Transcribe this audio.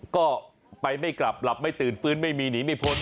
ก็ไปไม่กลับหลับไม่ตื่นฟื้นไม่มีหนีไม่พ้น